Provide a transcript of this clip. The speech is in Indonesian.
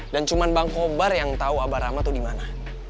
dan cuman bang cobra yang tau abah ramah tuh dimana